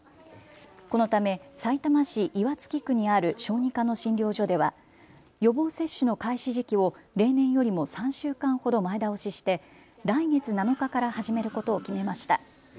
このためさいたま市岩槻区にある小児科の診療所では予防接種の開始時期を例年よりも３週間ほど前倒しして来月７日から始めることを決めました。